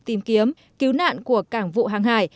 tìm kiếm cứu nạn của cảng vụ hàng hải